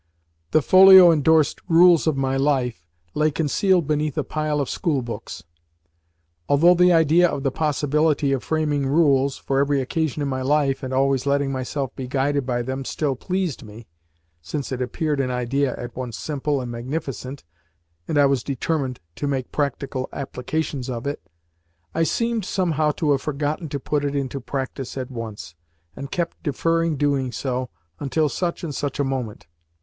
The folio endorsed "Rules of My Life" lay concealed beneath a pile of school books. Although the idea of the possibility of framing rules, for every occasion in my life and always letting myself be guided by them still pleased me (since it appeared an idea at once simple and magnificent, and I was determined to make practical application of it), I seemed somehow to have forgotten to put it into practice at once, and kept deferring doing so until such and such a moment.